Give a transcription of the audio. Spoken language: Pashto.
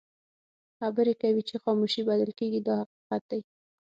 خبرې کوي چې خاموشي بلل کېږي دا حقیقت دی.